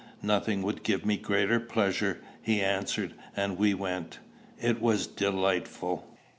"Nothing would give me greater pleasure," he answered; and we went. It was delightful.